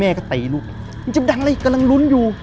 แม่ก็ไตลูกจิบดังอะไรกำลังลุ้นอยู่